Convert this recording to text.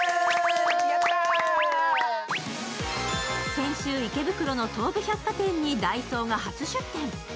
先週、池袋の東武百貨店にダイソーが初出店。